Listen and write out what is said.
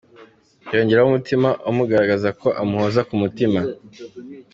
yongeraho umutima amugaragariza ko amuhoza ku mutima’’.